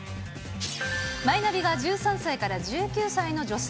マイナビが１３歳から１９歳の女性